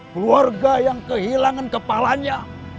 keluarga yang kehilangan kepalanya